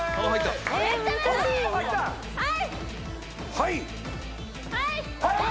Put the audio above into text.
はい！